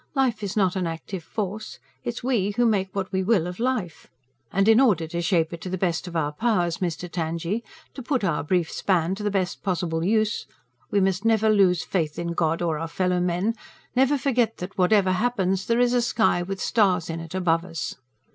Life is not an active force. It's we who make what we will, of life. And in order to shape it to the best of our powers, Mr. Tangye, to put our brief span to the best possible use, we must never lose faith in God or our fellow men; never forget that, whatever happens, there is a sky, with stars in it, above us."